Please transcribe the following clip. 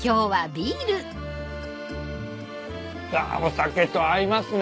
酒と合いますね